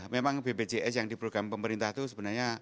memang bpjs yang diprogram pemerintah itu sebenarnya